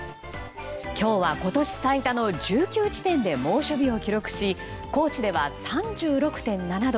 今日は、今年最多の１９地点で猛暑日を記録し高知では３６．７度。